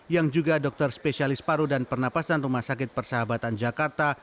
yang juga dokter spesialis paru dan pernapasan rumah sakit persahabatan jakarta